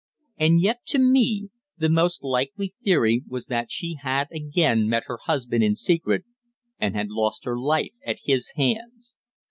And yet, to me, the most likely theory was that she had again met her husband in secret, and had lost her life at his hands.